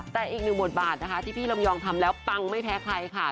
แต่อีกหนึ่งบทบาทนะคะที่พี่ลำยองทำแล้วปังไม่แพ้ใครค่ะ